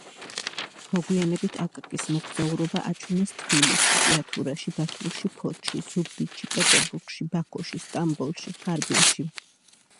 მოგვიანებით „აკაკის მოგზაურობა“ აჩვენეს თბილისში, ჭიათურაში, ბათუმში, ფოთში, ზუგდიდში, პეტერბურგში, ბაქოში, სტამბოლში, ხარბინში.